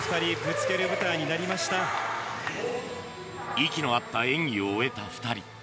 息の合った演技を終えた２人。